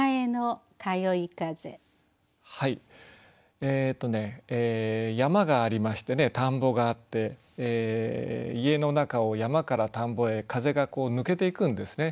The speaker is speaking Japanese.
えっとね山がありまして田んぼがあって家の中を山から田んぼへ風がこう抜けていくんですね。